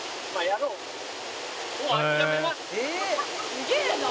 「すげえな！」